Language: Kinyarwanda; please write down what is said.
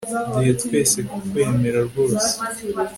duhe twese kukwemera rwose